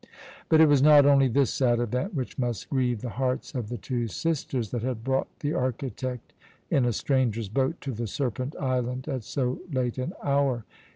But it was not only this sad event, which must grieve the hearts of the two sisters, that had brought the architect in a stranger's boat to the Serpent Island at so late an hour.